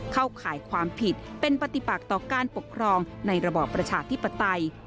เข้าข่ายความผิดเป็นปฏิปักต่อการปกครองในระบอบประชาธิปไตย